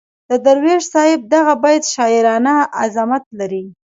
د درویش صاحب دغه بیت شاعرانه عظمت لري.